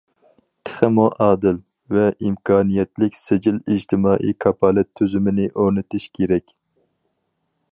تېخىمۇ ئادىل ۋە ئىمكانىيەتلىك سىجىل ئىجتىمائىي كاپالەت تۈزۈمىنى ئورنىتىش كېرەك.